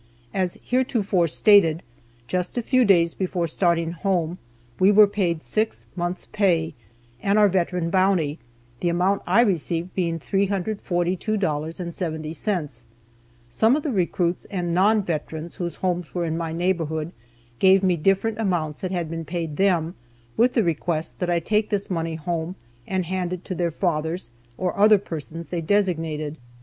As heretofore stated, just a few days before starting home we were paid six months' pay, and our veteran bounty, the amount I received being $342.70. Several of the recruits and non veterans whose homes were in my neighborhood gave me different amounts that had been paid them, with the request that I take this money home and hand it to their fathers, or other persons they designated.